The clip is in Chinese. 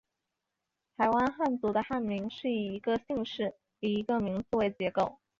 台湾汉族的汉名是以一个姓氏与一个名字为结构。